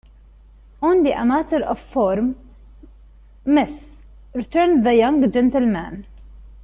"Only a matter of form, miss," returned the young gentleman.